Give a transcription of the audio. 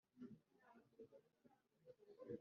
Byemejwe kubwiganze bwa by amajwi inteko